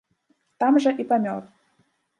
Там жа і памёр.